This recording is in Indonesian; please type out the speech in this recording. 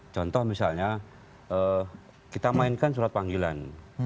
contoh misalnya kita mainkan surat panggilan